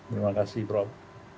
terima kasih prof